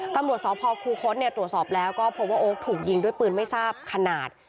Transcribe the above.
ตำรวจสพคูคศตรวจสอบแล้วก็พบว่าโอ๊คถูกยิงด้วยปืนไม่ทราบขนาด